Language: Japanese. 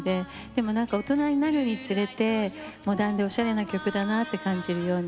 でもなんか大人になるにつれてモダンでおしゃれな曲だなって感じるようになりました。